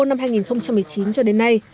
năm hai nghìn một mươi chín cho đến nay